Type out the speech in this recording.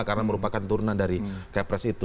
yang pertama karena merupakan turna dari kprs itu